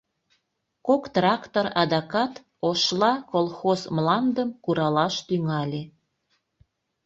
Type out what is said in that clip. Кок трактор адакат «Ошла» колхоз мландым куралаш тӱҥале.